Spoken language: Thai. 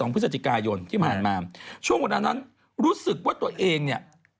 พฤศจิกายนที่ผ่านมาช่วงเวลานั้นรู้สึกว่าตัวเองเนี่ย